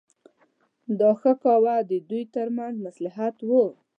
دا ښه کوه د دوی ترمنځ مصلحت و.